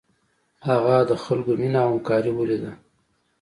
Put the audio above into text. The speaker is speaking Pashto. هغه د خلکو مینه او همکاري ولیده.